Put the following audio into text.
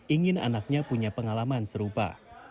ingin anaknya punya pengalaman serupa